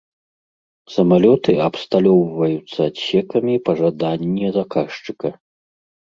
Самалёты абсталёўвацца адсекамі па жаданні заказчыка.